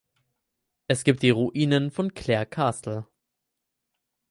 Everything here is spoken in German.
Es gibt die Ruinen von Clare Castle.